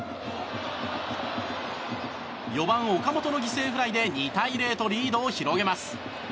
４番、岡本の犠牲フライで２対０とリードを広げます。